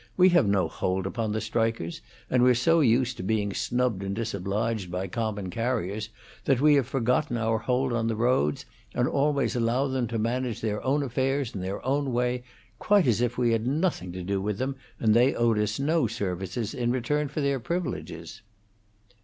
We have no hold upon the strikers; and we're so used to being snubbed and disobliged by common carriers that we have forgotten our hold on the roads and always allow them to manage their own affairs in their own way, quite as if we had nothing to do with them and they owed us no services in return for their privileges."